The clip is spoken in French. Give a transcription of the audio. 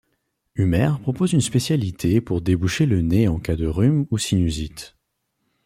Humer propose une spécialité pour déboucher le nez en cas de rhume ou sinusite.